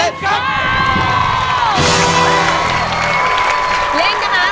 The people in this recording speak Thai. เล่นนะคะ